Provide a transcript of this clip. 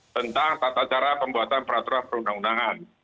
tentang tata cara pembuatan peraturan perundang undangan